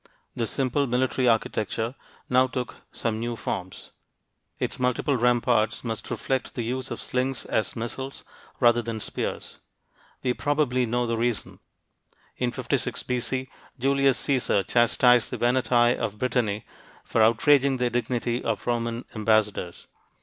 This simple military architecture now took some new forms. Its multiple ramparts must reflect the use of slings as missiles, rather than spears. We probably know the reason. In 56 B.C., Julius Caesar chastised the Veneti of Brittany for outraging the dignity of Roman ambassadors.